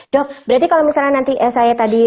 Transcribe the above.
dok berarti kalau misalnya nanti saya tadi